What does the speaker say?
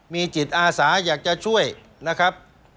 มีจิตอาสาอยากจะช่วยนะครับ